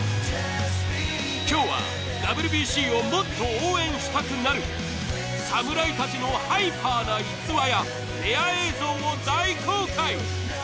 今日はＷＢＣをもっと応援したくなる侍たちのハイパーな逸話やレア映像を大公開。